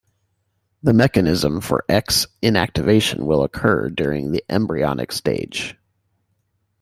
The mechanism for X inactivation will occur during the embryonic stage.